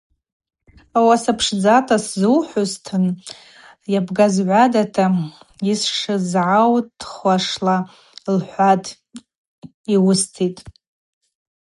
Ауаса пшдзата сзухӏвузтын, йабгазгӏвадата йышсызгӏаудхуашла,—лхӏватӏ,—йуыститӏ!